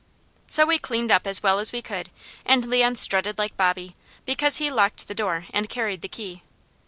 So we cleaned up as well as we could, and Leon strutted like Bobby, because he locked the door and carried the key.